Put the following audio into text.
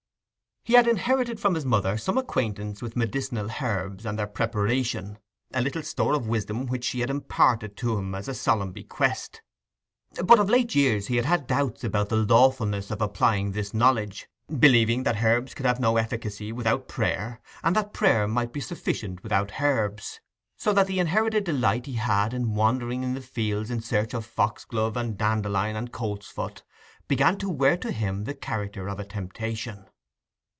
He had inherited from his mother some acquaintance with medicinal herbs and their preparation—a little store of wisdom which she had imparted to him as a solemn bequest—but of late years he had had doubts about the lawfulness of applying this knowledge, believing that herbs could have no efficacy without prayer, and that prayer might suffice without herbs; so that the inherited delight he had in wandering in the fields in search of foxglove and dandelion and coltsfoot, began to wear to him the character of a temptation.